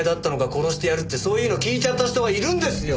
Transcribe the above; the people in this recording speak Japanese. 殺してやる」ってそういうの聞いちゃった人がいるんですよ！